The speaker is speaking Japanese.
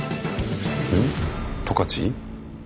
うん？十勝？